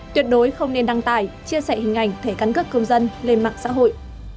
tuyệt đối không nên đăng tải chia sẻ hình ảnh thẻ căn cước công dân lên mạng xã hội